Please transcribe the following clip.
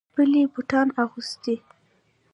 هغې خپلې بوټان اغوستې